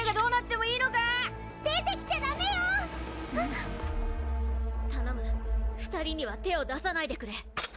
たのむ２人には手を出さないでくれ。